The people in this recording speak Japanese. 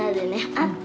あった！」